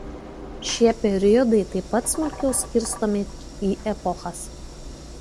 Šie periodai taip pat smulkiau skirstomi į epochas.